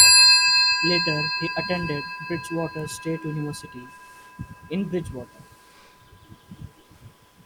Later he attended Bridgewater State University in Bridgewater.